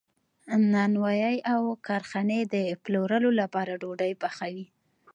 نانوایی او کارخانې د پلورلو لپاره ډوډۍ پخوي.